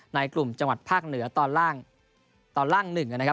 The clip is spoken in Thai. ในกลุ่มจังหวัดภาคเหนือตอนล่าง๑นะครับ